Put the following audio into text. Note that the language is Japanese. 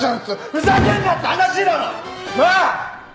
ふざけんなって話だろ！なあ！